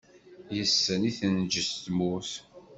Yes-sen i tenǧes tmurt.